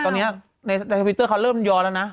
ตอนนี้ในทวิตเตอร์เขาเริ่มยอแล้วนะ